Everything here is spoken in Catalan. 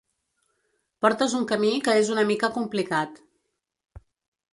Portes un camí que és una mica complicat.